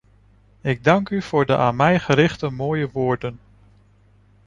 Ik dank u voor de aan mij gerichte mooie woorden.